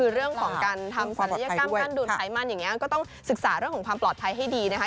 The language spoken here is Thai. คือเรื่องของการทำศัลยกรรมการดูดไขมันอย่างนี้ก็ต้องศึกษาเรื่องของความปลอดภัยให้ดีนะคะ